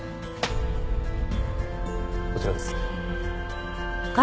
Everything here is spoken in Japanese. こちらです。